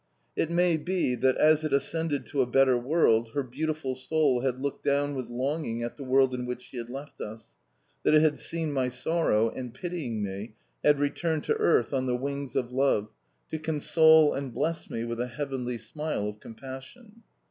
It may be that, as it ascended to a better world, her beautiful soul had looked down with longing at the world in which she had left us that it had seen my sorrow, and, pitying me, had returned to earth on the wings of love to console and bless me with a heavenly smile of compassion.